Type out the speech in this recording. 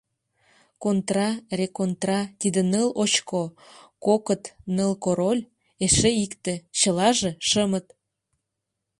— Контра, реконтра, тиде ныл очко, кокыт, ныл король — эше икте, чылаже — шымыт.